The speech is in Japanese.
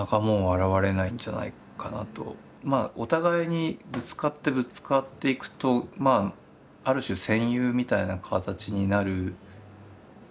まあお互いにぶつかってぶつかっていくとある種戦友みたいな形になるようなことが。